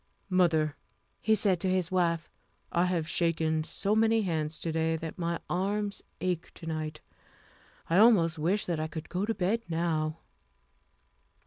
"Mother," he said to his wife, "I have shaken so many hands to day that my arms ache tonight. I almost wish that I could go to bed now."